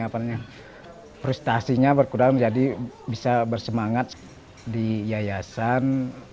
frustasinya berkurang jadi bisa bersemangat di yayasan